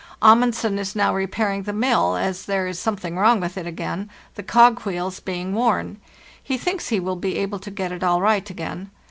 Amundsen is now repairing the mill, as there is something wrong with it again, the cog wheels being worn. He thinks he will be able to get it all right again.